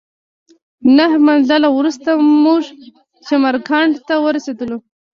نهه منزله وروسته موږ چمرکنډ ته ورسېدلو.